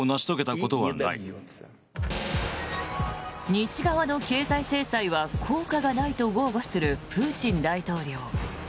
西側の経済制裁は効果がないと豪語するプーチン大統領。